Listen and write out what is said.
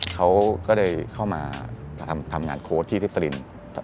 เขาก็ได้เข้ามาทำงานโค้ดที่ทิฟลิน